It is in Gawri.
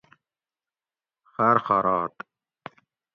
خاۤر خارات